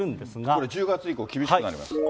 これ１０月以降厳しくなります。